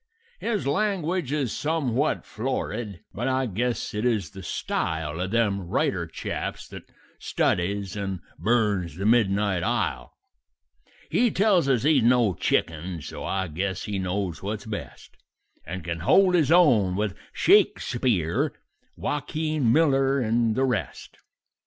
"His language is some florid, but I guess it is the style Of them writer chaps that studies and burns the midnight ile; He tells us he's no chicken; so I guess he knows what's best, And can hold his own with Shakespeare, Waukeen Miller, and the rest.